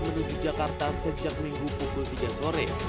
menuju jakarta sejak minggu pukul tiga sore